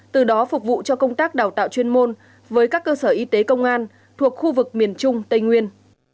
từ đó phục vụ cho công tác đào tạo chuyên môn với các cơ sở y tế công an thuộc khu vực miền trung tây nguyên